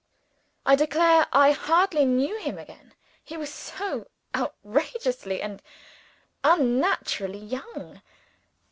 I declare I hardly knew him again, he was so outrageously and unnaturally young.